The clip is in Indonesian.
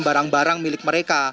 barang barang milik mereka